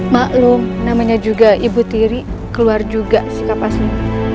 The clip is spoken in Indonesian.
maklum namanya juga ibu tiri keluar juga sikap asli